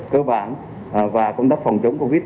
cơ bản và công tác phòng chống covid